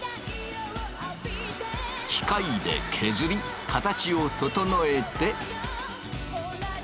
機械で削り形を整えて。